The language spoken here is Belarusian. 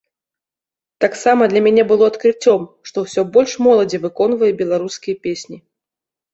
Таксама для мяне было адкрыццём, што ўсё больш моладзі выконвае беларускія песні.